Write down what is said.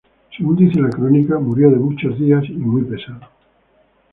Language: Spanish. Según dice la crónica ""murió de muchos días y muy pesado"".